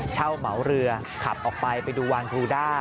เหมาเรือขับออกไปไปดูวานพลูด้า